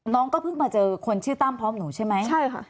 น้องก็เพิ่งมาเจอคนชื่อตั้มพร้อมหนูใช่ไหมใช่ค่ะ